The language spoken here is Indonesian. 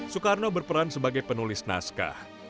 soekarno berperan sebagai penulis naskah